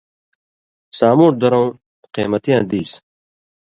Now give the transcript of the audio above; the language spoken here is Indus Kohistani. سامُوٹھ درؤں قَیمتیاں دِیس